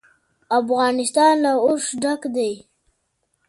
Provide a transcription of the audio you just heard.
افغانستان له اوښ ډک دی.